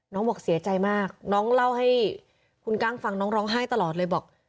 บอกเสียใจมากน้องเล่าให้คุณกั้งฟังน้องร้องไห้ตลอดเลยบอก